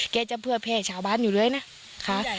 แกจะเพื่อเปลี่ยนชาวบ้านอยู่เลยนะ